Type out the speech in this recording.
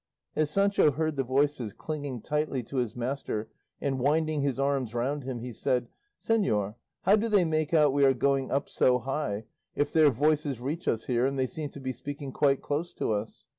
As Sancho heard the voices, clinging tightly to his master and winding his arms round him, he said, "Señor, how do they make out we are going up so high, if their voices reach us here and they seem to be speaking quite close to us?"